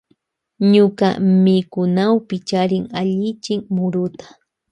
Ñuka mikunawkupi charin allichin muruta.